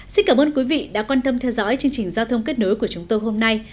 xin cảm ơn quý vị đã quan tâm theo dõi chương trình giao thông kết nối của chúng tôi hôm nay